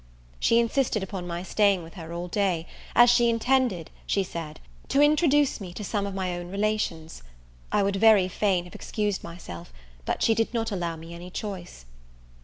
She insisted upon my staying with her all day; as she intended, she said, to introduce me to some of my own relations. I would very fain have excused myself, but she did not allow me any choice.